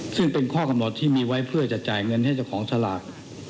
ซึ่งเป็นข้อกำหนดที่มีไว้เพื่อจะจ่ายเงินให้เจ้าของสลาก